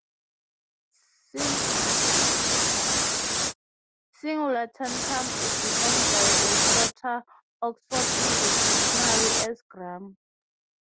"Singulare tantum" is defined by the "Shorter Oxford English Dictionary" as "Gram.